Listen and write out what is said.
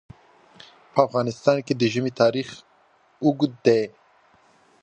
په افغانستان کې د ژمی تاریخ اوږد دی.